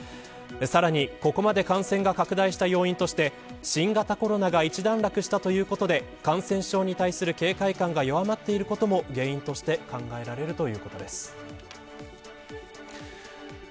さらに、ここまで感染が拡大した要因として新型コロナが一段落したということで感染症に対する警戒感が弱まっているということも原因として考えられるそうです。